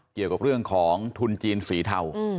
เกี่ยวกับเรื่องของทุนจีนสีเทา